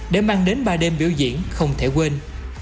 để mang đến ba đêm biểu diễn không thể quên